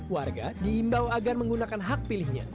warga diimbau agar menggunakan hak pilihnya